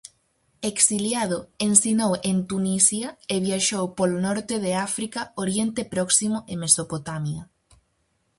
Exiliado, ensinou en Tunisia e viaxou polo norte de África, Oriente Próximo e Mesopotamia.